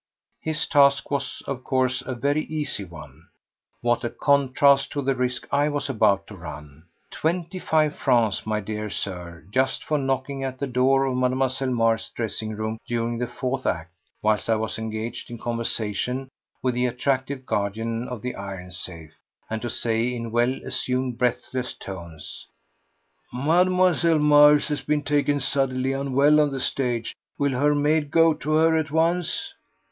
His task was, of course, a very easy one. What a contrast to the risk I was about to run! Twenty five francs, my dear Sir, just for knocking at the door of Mlle. Mars' dressing room during the fourth act, whilst I was engaged in conversation with the attractive guardian of the iron safe, and to say in well assumed, breathless tones: "Mademoiselle Mars has been taken suddenly unwell on the stage. Will her maid go to her at once?"